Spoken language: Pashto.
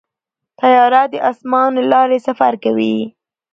طیاره د اسمان له لارې سفر کوي.